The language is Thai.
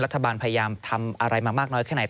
พยายามทำอะไรมามากน้อยแค่ไหน